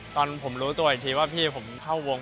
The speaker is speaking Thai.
ตอนผมรู้ตัวอีกทีที่ข้าเข้าวง